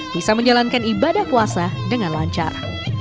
bisa menjalankan ibadah puasa dengan lancar